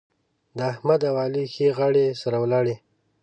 د احمد او علي ښې غاړې سره ولاړې.